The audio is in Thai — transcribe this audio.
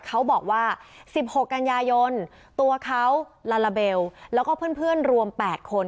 เขาบอกว่าสิบหกกันยายนตัวเขาลาลาเบลแล้วก็เพื่อนเพื่อนรวมแปดคน